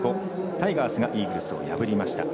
タイガースがイーグルスを破りました。